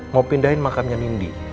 mau pindahin makam yang indi